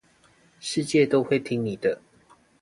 世界都會聽你的